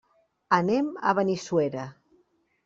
Anem a Benissuera.